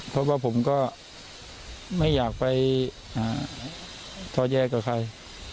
เพราะว่าผมก็ไม่อยากไปท้อแย้กับใคร